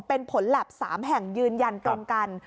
เป็นผลแล็บ๓แห่งยืนยันตรงกัน